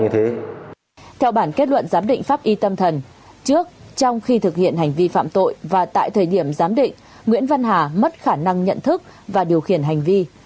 theo bản kết luận giám định pháp y tâm thần trước trong khi thực hiện hành vi phạm tội và tại thời điểm giám định nguyễn văn hà mất khả năng nhận thức và điều khiển hành vi